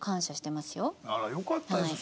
あらよかったですよ